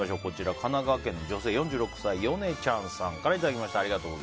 神奈川県の女性４６歳の方からいただきました。